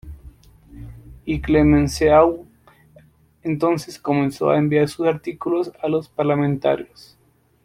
Y Clemenceau entonces comenzó a enviar sus artículos a los parlamentarios.